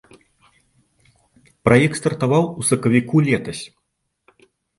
Праект стартаваў у сакавіку летась.